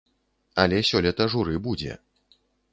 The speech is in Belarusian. Але сёлета журы будзе.